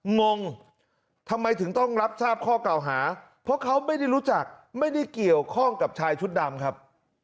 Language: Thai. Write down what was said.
งงทำไมถึงต้องรับทราบข้อเก่าหาเพราะเขาไม่ได้รู้จักไม่ได้เกี่ยวข้องกับชายชุดดำครับ